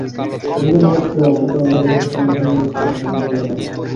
অভিযানে নেতৃত্ব দেন চট্টগ্রাম জেলা প্রশাসনের নির্বাহী ম্যাজিস্ট্রেট মোহাম্মাদ রুহুল আমীন।